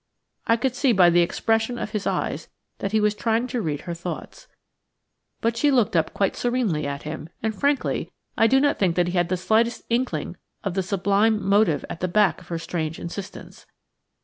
I could see by the expression of his eyes that he was trying to read her thoughts. But she looked up quite serenely at him, and, frankly, I do not think that he had the slightest inkling of the sublime motive at the back of her strange insistence.